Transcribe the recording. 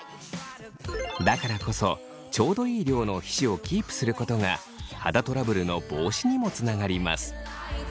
だからこそちょうどいい量の皮脂をキープすることが肌トラブルの防止にもつながります